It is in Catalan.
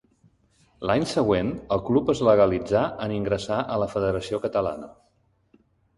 L'any següent el club es legalitzà en ingressar a la Federació Catalana.